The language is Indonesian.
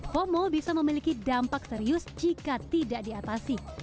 fomo bisa memiliki dampak serius jika tidak diatasi